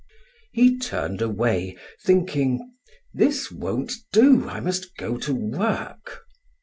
He turned away, thinking: "This won't do. I must go to work."